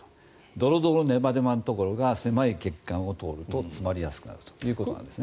ドロドロ、ねばねばのところが狭い血管を通ると詰まりやすくなるということなんですね。